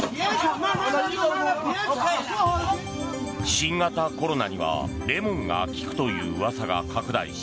新型コロナにはレモンが効くという噂が拡大し